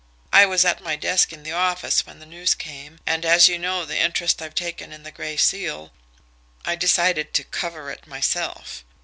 I was at my desk in the office when the news came, and, as you know the interest I've taken in the Gray Seal, I decided to 'cover' it myself.